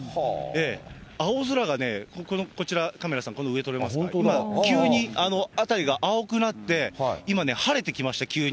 青空がね、こちら、カメラさん、これ、上撮れますか、急に、辺りが青くなって、今ね、晴れてきました、急に。